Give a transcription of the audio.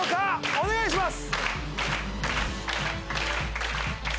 お願いします。